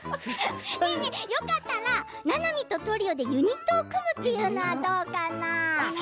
よかったらななみとトリオでユニットを組むというのはどうかな？